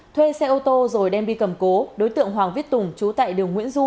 thuê xe ô tô rồi đem đi cầm cố đối tượng hoàng viết tùng chú tại đường nguyễn du